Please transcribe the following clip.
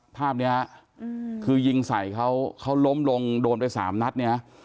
ภาพนี้ฮะคือยิงใส่เขาเขาล้มลงโดนไปสามนัดเนี่ย